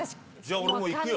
俺もう、いくよ。